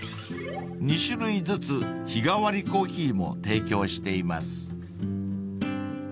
［２種類ずつ日替わりコーヒーも提供しています］